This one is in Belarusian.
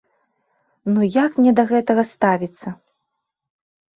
Ну як мне да гэтага ставіцца?